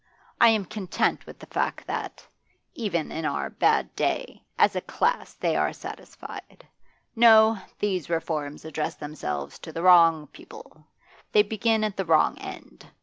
I am content with the fact that, even in our bad day, as a class they are satisfied. No, these reforms address themselves to the wrong people; they begin at the wrong end.